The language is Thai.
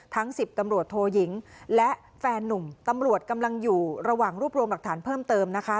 สิบตำรวจโทยิงและแฟนนุ่มตำรวจกำลังอยู่ระหว่างรวบรวมหลักฐานเพิ่มเติมนะคะ